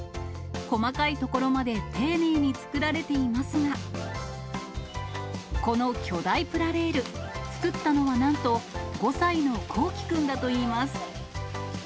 細かいところまで丁寧に作られていますが、この巨大プラレール、作ったのはなんと５歳のこうきくんだといいます。